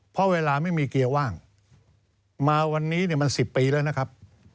เพราะเวลาไม่มีเกียร์ว่างมาวันนี้มัน๑๐ปีแล้วนะครับ